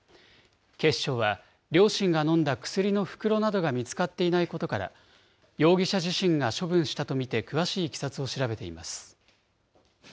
警視庁は、両親が飲んだ薬の袋などが見つかっていないことなどから、容疑者自身が処分したと見て詳しいいきさつを調べています。